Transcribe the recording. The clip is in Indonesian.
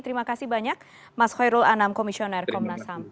terima kasih banyak mas hoirul anam komisioner komnas ham